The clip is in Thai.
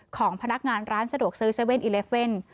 ของพนักงานร้านสะดวกซื้อเซเว่นอีเลฟเว่น